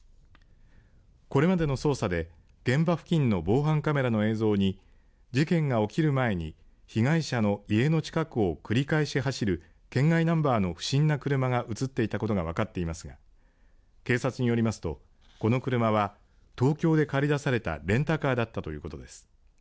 これまでの捜査で現場付近の防犯カメラの映像に事件が起きる前に被害者の家の近くを繰り返し走る県外ナンバーの不審な車が映っていたことが分かっていますが警察によりますとこの車は東京で借り出されたレンタカーだったということです。